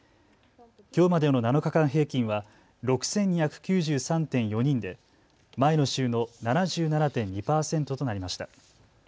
きょうまでの７日間平均は６２９３．４人で前の週の７７．２％となりました。